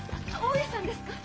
大家さんですか？